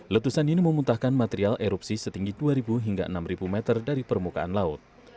letusan ini memuntahkan material erupsi setinggi dua hingga enam meter dari permukaan laut